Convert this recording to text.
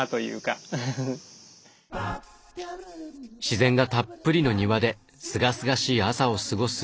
自然がたっぷりの庭ですがすがしい朝を過ごす